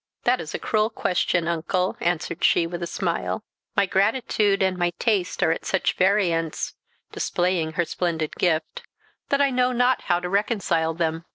"That is a cruel question, uncle," answered she, with a smile. "My gratitude and my taste are at such variance," displaying her splendid gift, "that I know not how to reconcile them."